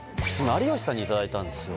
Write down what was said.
有吉さんに頂いたんですよ